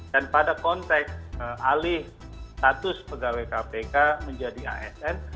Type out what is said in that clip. dan pada konteks alih status pegawai kpk menjadi asn